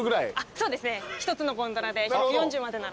そうですね１つのゴンドラで１４０までなら。